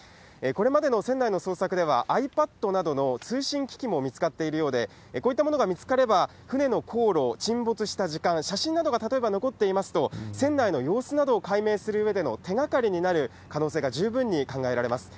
これまでの船内の捜索では、アイパットなどの通信機器も見つかっているようで、こういったものが見つかれば、船の航路、沈没した時間、写真などが例えば残っていますと、船内の様子などを解明するうえでの手がかりになる可能性が十分に考えられます。